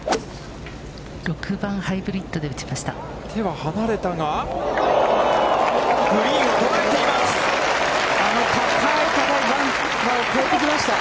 ６番ハイブリッドで打ちました。